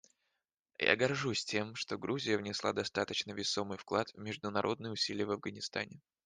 Я горжусь тем, что Грузия внесла достаточно весомый вклад в международные усилия в Афганистане.